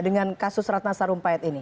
dengan kasus ratna sarumpait ini